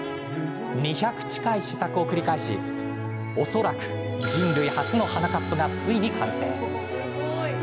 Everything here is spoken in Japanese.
２００近い試作を繰り返し恐らく人類初の鼻カップがついに完成。